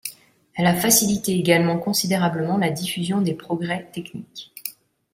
Elle a facilité également considérablement la diffusion des progrès techniques.